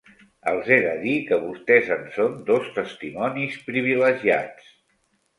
Els he de dir que vostès en són dos testimonis privilegiats.